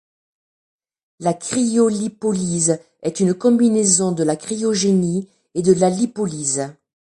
La cryolipolyse est une combinaison de la cryogénie et de la lipolyse.